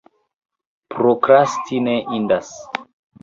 Prokrasti ne indas.